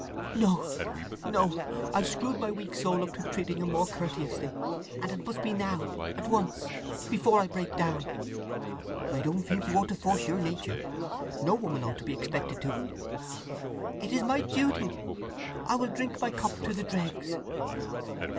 "No, no! I've screwed my weak soul up to treating him more courteously—and it must be now—at once—before I break down!" "I don't think you ought to force your nature. No woman ought to be expected to." "It is my duty. I will drink my cup to the dregs!"